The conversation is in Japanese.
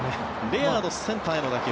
レアードセンターへの打球。